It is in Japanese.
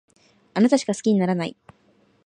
あなたしか好きにならない